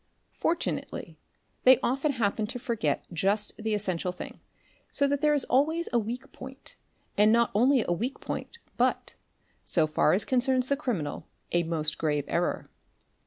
For tunately they often happen to forget just the essential thing; so that there is always a weak point, and not only a weak point, but, so far as concerns the criminal, a most grave error.